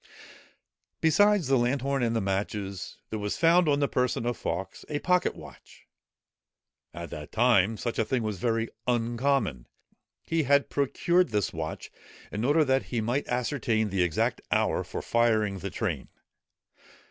Besides the lanthorn and the matches, there was found on the person of Fawkes, a pocket watch! At that time, such a thing was very uncommon. He had procured this watch in order that he might ascertain the exact hour for firing the train.